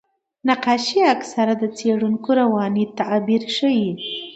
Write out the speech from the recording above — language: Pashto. نقاشي اکثره د څېړونکو رواني تعبیر ښيي.